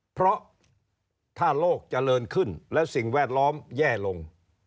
เพราะถ้าโลกเจริญขึ้นและสิ่งแวดล้อมแย่ลง